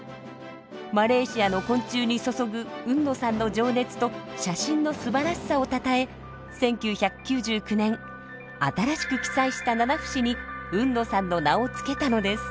マレーシアの昆虫に注ぐ海野さんの情熱と写真のすばらしさをたたえ１９９９年新しく記載したナナフシに海野さんの名を付けたのです。